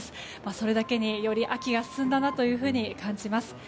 それだけにより秋が進んだなと感じます。